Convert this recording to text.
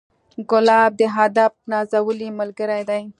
ګلاب د ادب نازولی ملګری دی.